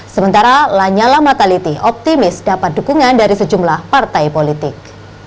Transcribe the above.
sementara lanyala mataliti optimis dapat dukungan dari sejumlah partai politik